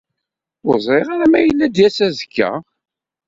Ur ẓriɣ ma yella ad d-yas azekka.